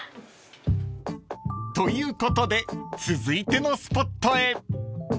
［ということで続いてのスポットへ］